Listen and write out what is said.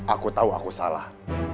aku tahu aku salah